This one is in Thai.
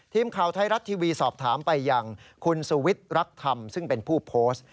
ทีมข่าวไทยรัฐทีวีสอบถามไปอย่างคุณสุวิทย์รักธรรมซึ่งเป็นผู้โพสต์